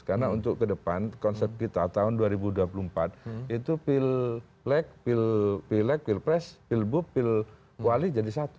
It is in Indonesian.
karena untuk kedepan konsep kita tahun dua ribu dua puluh empat itu pil lek pil pres pil bup pil wali jadi satu